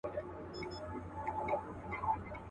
خریې ځانته وو تر تلو نیژدې کړی.